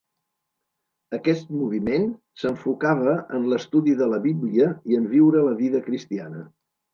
Aquest moviment s'enfocava en l'estudi de la Bíblia, i en viure la vida cristiana.